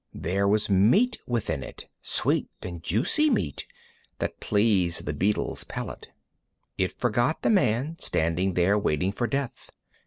There was meat within it, sweet and juicy meat that pleased the beetle's palate. It forgot the man, standing there, waiting for death.